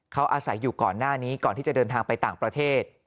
เขาอาศัยอยู่ก่อนหน้านี้ก่อนที่จะเดินทางไปต่างประเทศ